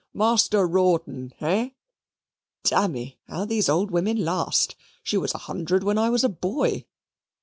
Master Rawdon, hey? Dammy how those old women last; she was a hundred when I was a boy."